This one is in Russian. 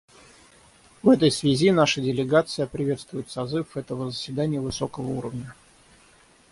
В этой связи наша делегация приветствует созыв этого заседания высокого уровня.